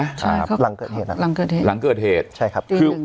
ใช่ครับหลังเกิดเหตุครับหลังเกิดเหตุหลังเกิดเหตุใช่ครับคือ